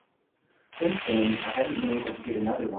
Since then I haven't been able to get another one.